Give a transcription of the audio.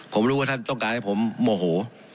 ผมรู้ว่าท่านต้องการให้ผมโมโห